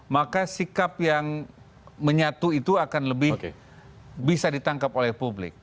maka sikap yang menyatu itu akan lebih bisa ditangkap oleh publik